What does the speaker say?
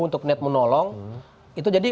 untuk menolong itu jadi